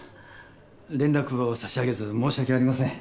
連絡を差し上げず申し訳ありません。